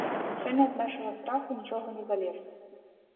Сёння ад нашага страху нічога не залежыць.